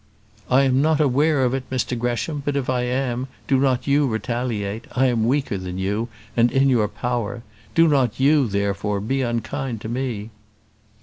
"I am not aware of it, Mr Gresham; but if I am, do not you retaliate. I am weaker than you, and in your power; do not you, therefore, be unkind to me."